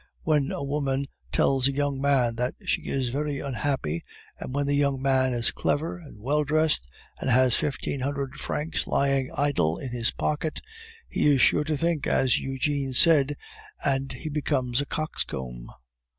When a woman tells a young man that she is very unhappy, and when the young man is clever, and well dressed, and has fifteen hundred francs lying idle in his pocket, he is sure to think as Eugene said, and he becomes a coxcomb.